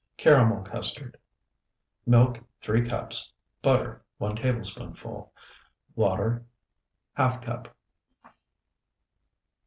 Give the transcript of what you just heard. CARAMEL CUSTARD Milk, 3 cups. Butter, 1 tablespoonful. Water, ½ cup.